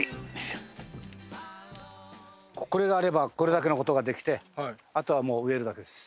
これがあればこれだけの事ができてあとはもう植えるだけです。